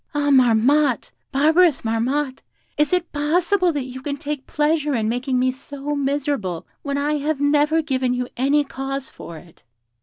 Ah, Marmotte! barbarous Marmotte! Is it possible that you can take pleasure in making me so miserable when I have never given you any cause for it?'